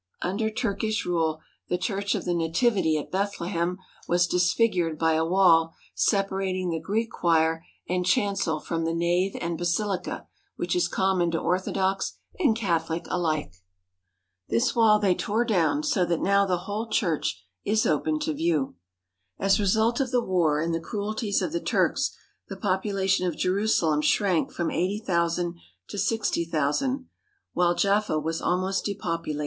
Under Turkish rule the Church of the Nativity at Beth lehem was disfigured by a wall separating the Greek choir and chancel from the nave and basilica, which is common to Orthodox and Catholic alike. This wall they tore down, so that now the whole church is open to view. As a result of the war, and the cruelties of the Turks, the population of Jerusalem shrank from eighty thousand to sixty thousand, while Jaffa was almost depopulated.